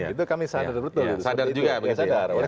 itu kami sadar